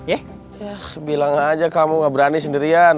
eh bilang aja kamu gak berani sendirian